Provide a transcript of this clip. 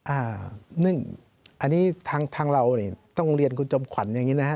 อันนี้ทางเราต้องเรียนคุณจมขวัญอย่างนี้นะฮะ